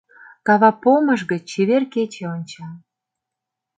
Кава помыш гыч чевер кече онча.